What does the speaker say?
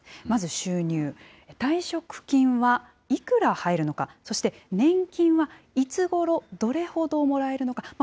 まず収入、退職金はいくら入るのか、そして年金はいつごろ、どれほどもらえるのか。